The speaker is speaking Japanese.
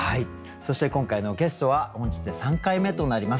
そして今回のゲストは本日で３回目となります